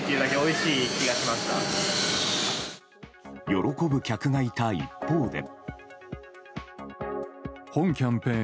喜ぶ客がいた一方で。